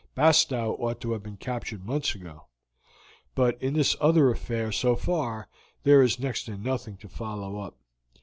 Bastow ought to have been captured months ago, but in this other affair, so far, there is next to nothing to follow up.